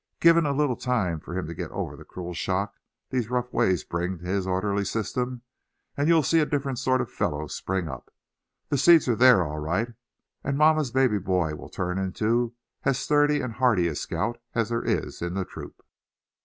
Given a little time for him to get over the cruel shock these rough ways bring to his orderly system, and you'll see a different sort of fellow spring up. The seed's there all right. And mamma's baby boy will turn into as sturdy and hardy a scout as there is in the troop."